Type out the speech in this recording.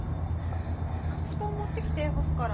あ布団持ってきて干すから。